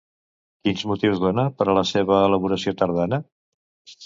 Quins motius dona per a la seva elaboració tardana?